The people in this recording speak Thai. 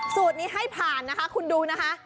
สูตรนี้ให้ผ่านนะคะคุณดูนะคะ